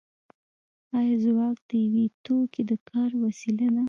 آیا ځواک د یو توکي د کار وسیله ده